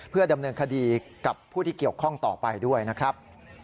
เพื่อดำเนินคดีกับผู้ที่เกี่ยวข้องต่อไปด้วยนะครับ